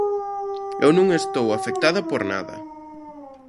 Eu non estou afectada por nada.